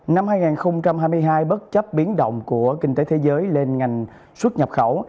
năm hai nghìn hai mươi hai bất chấp biến động của kinh tế thế giới lên ngành xuất nhập khẩu